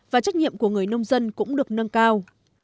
và trách nhiệm của người nông dân cũng được nâng cao